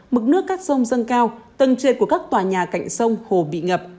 mực nước các sông dâng cao tầng trệt của các tòa nhà cạnh sông hồ bị ngập